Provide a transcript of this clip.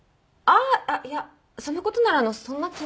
あっいやそのことならあのそんな気に。